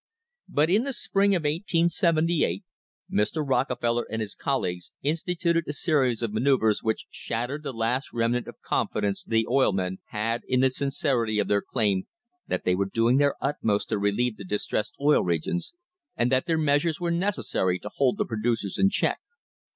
But in the spring of 1878 Mr. Rockefeller and his col leagues instituted a series of manoeuvres which shattered the last remnant of confidence the oil men had in the sincerity of their claim that they were doing their utmost to relieve the distressed Oil Regions, and that their measures were necessary to hold the producers in check.